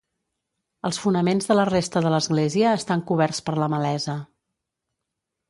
Els fonaments de la resta de l'església estan coberts per la malesa.